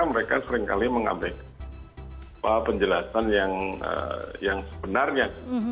mereka seringkali mengambil penjelasan yang sebenarnya